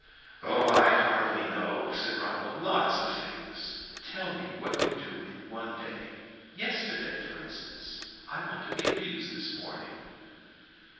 "Oh, I hardly know," said Ronald. "Lots of things." "Tell me what you do in one day yesterday, for instance. I want to be amused this morning."